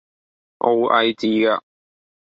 傲睨自若